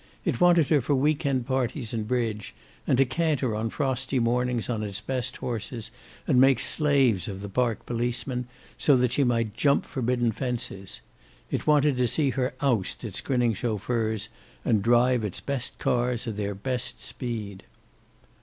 It wanted her for week end parties and bridge, and to canter on frosty mornings on its best horses and make slaves of the park policemen, so that she might jump forbidden fences. It wanted to see her oust its grinning chauffeurs, and drive its best cars at their best speed.